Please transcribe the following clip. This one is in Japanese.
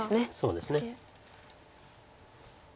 そうですね。